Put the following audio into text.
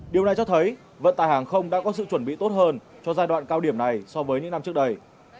điều này cho thấy vận tài hàng không đã có sự chuẩn bị tốt hơn cho giai đoạn cao điểm này so với những năm trước đây